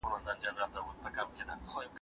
هغې په خپل کور کې د نجونو لپاره کورس جوړ کړ.